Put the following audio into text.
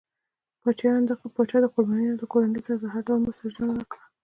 پاچا د قربانيانو له کورنۍ سره د هر ډول مرستې ژمنه کړه.